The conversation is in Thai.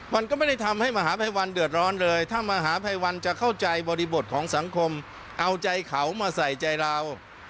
มันก็ไม่ได้ทำให้มหาภัยวันเดือดร้อนเลยถ้ามหาภัยวันจะเข้าใจบริบทของสังคมเอาใจเขามาใส่ใจเรา